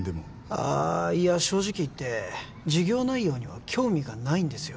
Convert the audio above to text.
ああいや正直言って事業内容には興味がないんですよ